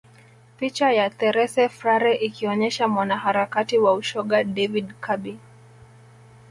Picha ya Therese Frare ikionyesha mwanaharakati wa ushoga David Kirby